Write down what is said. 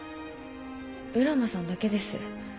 浦真さんだけです。